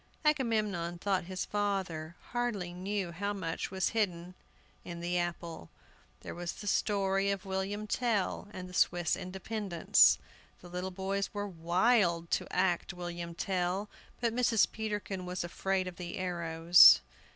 Agamemnon thought his father hardly knew how much was hidden in the apple. There was all the story of William Tell and the Swiss independence. The little boys were wild to act William Tell, but Mrs. Peterkin was afraid of the arrows.